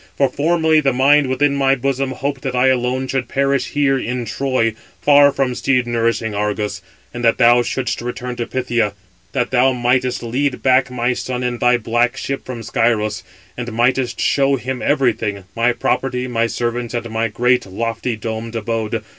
For formerly the mind within my bosom hoped that I alone should perish here in Troy, far from steed nourishing Argos, and that thou shouldst return to Phthia, that thou mightst lead back my son in thy black ship from Scyros, and mightst show him everything, my property, my servants, and my great, lofty domed abode.